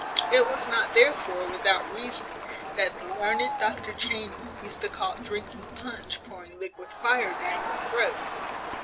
It was not, therefore, without reason, that the learned Dr Cheney used to call drinking punch pouring liquid fire down your throat.